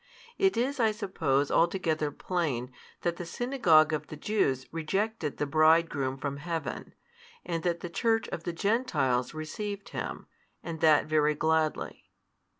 It is I suppose altogether plain, that the synagogue of the Jews rejected the Bridegroom from Heaven, and that the church of the Gentiles received Him, and that very gladly.